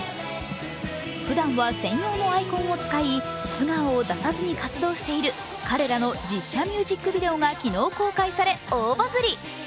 ふだんは専用のアイコンを使い菅生を出さずに活動している彼らの実写ミュージックビデオが昨日公開され、大バズリ。